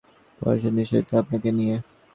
পরম নিশ্চিন্ত ছিল আপনারে নিয়ে।